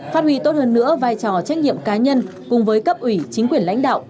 phát huy tốt hơn nữa vai trò trách nhiệm cá nhân cùng với cấp ủy chính quyền lãnh đạo